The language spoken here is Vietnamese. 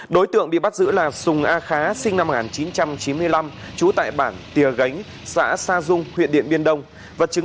đối tượng bị bắt giữ là sùng a khá sinh năm một nghìn chín trăm chín mươi năm trú tại bản tìa gánh xã sa dung huyện điện biên đông và